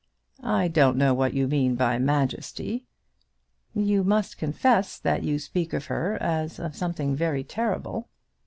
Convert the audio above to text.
"I don't know what you mean by majesty." "You must confess that you speak of her as of something very terrible."